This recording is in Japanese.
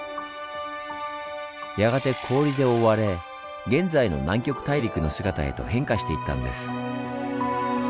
やがて氷で覆われ現在の南極大陸の姿へと変化していったんです。